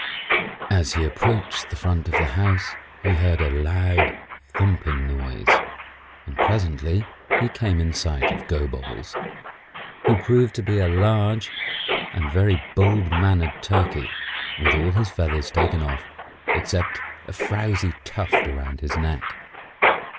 As he approached the front of the house he heard a loud, thumping noise, and presently he came in sight of Gobobbles, who proved to be a large and very bold mannered turkey with all his feathers taken off except a frowzy tuft about his neck.